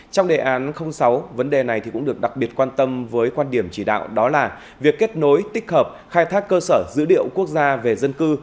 trong đề án sáu vấn đề này cũng được đặc biệt quan tâm với quan điểm chỉ đạo đó là việc kết nối tích hợp khai thác cơ sở dữ liệu quốc gia về dân cư